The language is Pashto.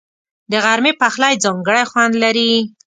د غرمې پخلی ځانګړی خوند لري